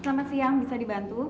selamat siang bisa dibantu